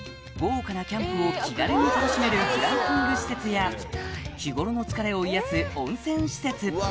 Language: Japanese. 豪華なキャンプを気軽に楽しめるグランピング施設や日頃の疲れを癒やす温泉施設